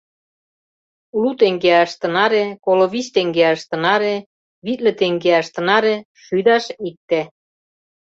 Лу теҥгеаш — тынаре, коло вич теҥгеаш — тынаре, витле теҥгеаш — тынаре, шӱдаш — икте.